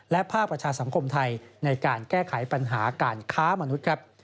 และภาคประชาสังคมไทยในการแก้ไขปัญหาการค้ามนุษย์ครับ